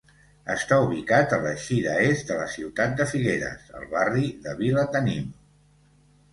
Està ubicat a l'eixida est de la ciutat de Figueres, al barri de Vilatenim.